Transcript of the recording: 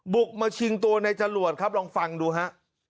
บุกมาชิงตัวในจรวดครับลองฟังดูฮะ